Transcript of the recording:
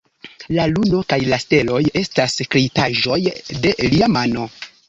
La luno kaj la steloj estas kreitaĵoj de Lia mano.